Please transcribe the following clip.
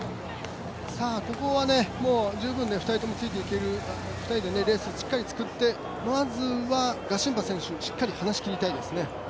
ここは十分、２人でレースをしっかり作ってまずはガシンバ選手をしっかり離しきりたいですね。